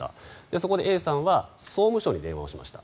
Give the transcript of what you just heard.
そこでＡさんは総務省に電話しました。